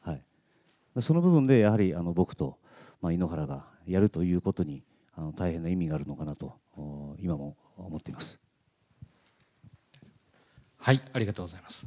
その部分で、やはり僕と井ノ原がやるということに大変な意味があるのかなと、ありがとうございます。